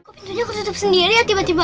kok pintunya aku tutup sendiri ya tiba tiba